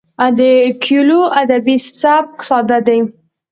د کویلیو ادبي سبک ساده دی.